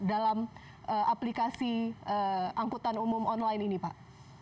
dalam aplikasi angkutan umum online ini pak